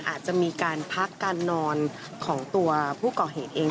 อาจจะมีการพักการนอนของตัวผู้ก่อเหตุเอง